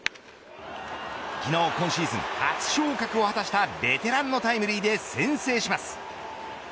昨日、今シーズン初昇格を果たしたベテランのタイムリーで先制します。